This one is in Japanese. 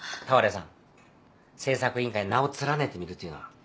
俵屋さん。製作委員会に名を連ねてみるというのは。